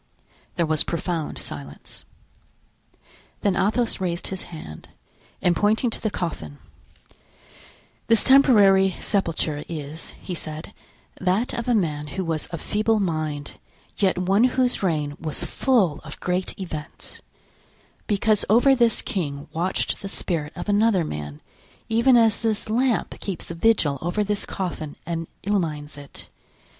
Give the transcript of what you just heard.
There was profound silence. Then Athos raised his hand and pointing to the coffin: "This temporary sepulture is," he said, "that of a man who was of feeble mind, yet one whose reign was full of great events; because over this king watched the spirit of another man, even as this lamp keeps vigil over this coffin and illumines it.